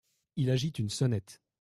Il agite une sonnette.